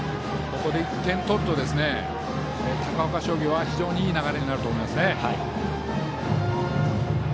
ここで１点取ると高岡商業は非常にいい流れになりますね。